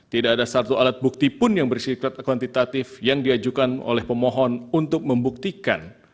tidak ada satu alat bukti pun yang bersifat kuantitatif yang diajukan oleh pemohon untuk membuktikan